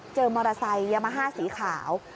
มอเตอร์ไซค์ยามาฮ่าสีขาว